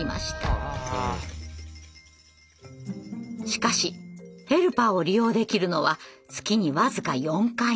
しかしヘルパーを利用できるのは月に僅か４回のみ。